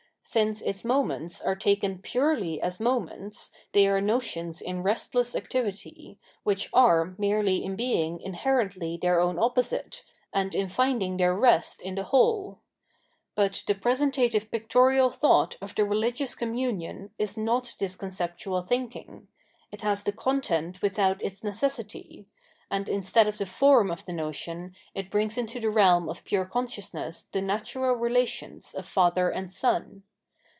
Since its moments are taken ■purely as moments, they are notions in restless activity, which are merely in being inherently their own opposite, and in finding their rest in the whole. But the pre sentative pictorial thought of the rehgious communion is not this conceptual thinking ; it has the content without its necessity ; and instead of the form of the notion it brings into the realm of pure consciousness the natural relations of Father and Son.